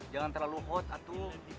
jangan terlalu hot atau